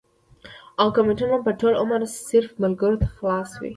او کمنټونه به ټول عمر صرف ملکرو ته خلاص وي